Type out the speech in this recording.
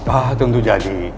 ah tentu jadi